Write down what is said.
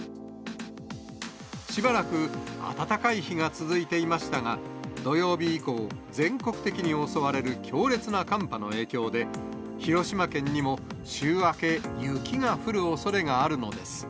しばらく暖かい日が続いていましたが、土曜日以降、全国的に襲われる強烈な寒波の影響で、広島県にも週明け、雪が降るおそれがあるのです。